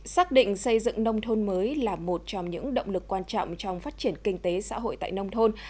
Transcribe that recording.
xác định xây dựng nông thôn mới là một trong những động lực quan trọng trong phát triển kinh tế xã hội tại nông thôn